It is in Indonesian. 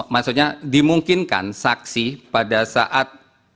maksudnya dimungkinkan saksi pada saat